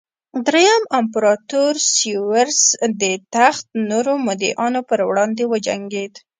درېیم امپراتور سېوروس د تخت نورو مدعیانو پر وړاندې وجنګېد